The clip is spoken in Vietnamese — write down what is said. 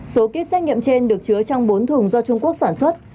số kit xét nghiệm trên được chứa trong bốn thùng do trung quốc sản xuất